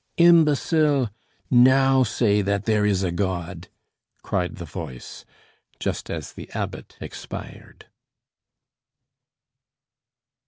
"Imbecile! Now say that there is a God!" cried the voice, just as the Abbot expired.